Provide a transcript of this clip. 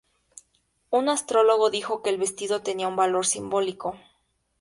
Un astrólogo dijo que el vestido tenía un valor simbólico.